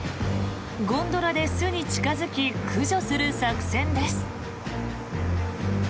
ゴンドラで巣に近付き駆除する作戦です。